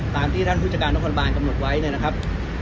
ตามที่ท่านพจการละครบานกำลังผมหนัดไว้ไว้นะครับ